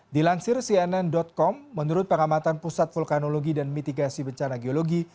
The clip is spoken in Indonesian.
dilansir cnn com menurut pengamatan pusat vulkanologi dan mitigasi bencana geologi